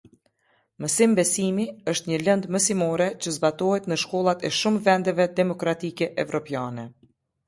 Mësimbesimi është një lëndë mësimore që zbatohet në shkollat e shumë vendeve demokratike evropiane.